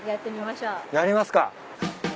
やりますか。